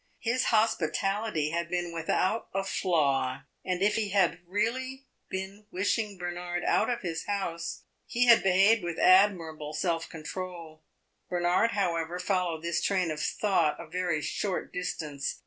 His hospitality had been without a flaw, and if he had really been wishing Bernard out of his house, he had behaved with admirable self control. Bernard, however, followed this train of thought a very short distance.